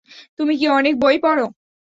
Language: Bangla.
তুমি কি অনেক বই পড়?